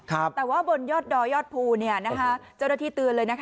แต่ว่าบนยอดดอยอดภูเจ้าหน้าที่ตื่นเลย